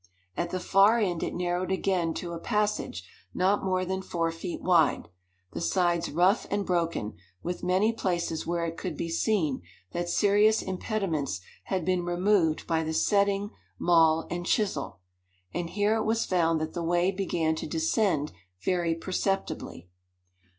At the far end it narrowed again to a passage not more than four feet wide, the sides rough and broken, with many places where it could be seen that serious impediments had been removed by the setting maul and chisel. And here it was found that the way began to descend very perceptibly.